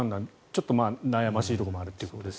ちょっと悩ましいところもあると。